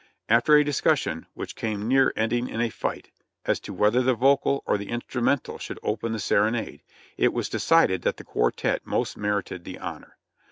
After a discussion, which came near ending in a fight, as to whether the vocal or the instrumental should open the serenade, it was de cided that the quartette most merited the honor.